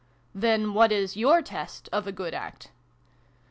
" Then what is your test of a good act